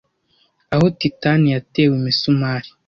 aho titani yatewe imisumari